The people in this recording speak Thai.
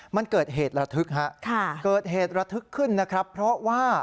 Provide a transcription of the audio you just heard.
มันเกิดเหตุระทึกฮะเกิดเหตุระทึกขึ้นนะครับเพราะว่า